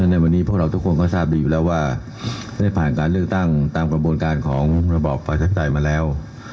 ในวันนี้พวกเราทุกคนก็ทราบดีอยู่แล้วว่าได้ผ่านการเลือกตั้งตามกระบวนการของระบอบประชาธิปไตยมาแล้ว